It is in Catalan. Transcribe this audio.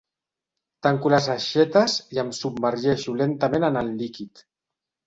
Tanco les aixetes i em submergeixo lentament en el líquid.